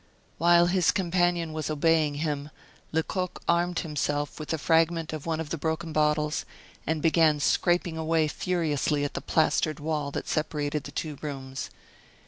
While his companion was obeying him, Lecoq armed himself with a fragment of one of the broken bottles, and began scraping away furiously at the plastered wall that separated the two rooms.